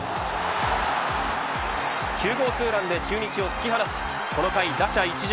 ９号ツーランで、中日を突き放しこの回打者一巡。